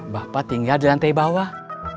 bapak tinggal di lantai bawah